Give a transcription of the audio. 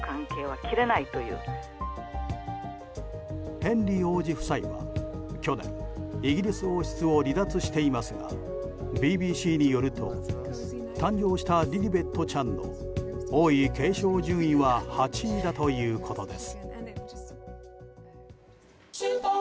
ヘンリー王子夫妻は去年イギリス王室を離脱していますがＢＢＣによると誕生したリリベットちゃんの王位継承順位は８位だということです。